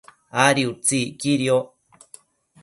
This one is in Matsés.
Adi utsi iquidioc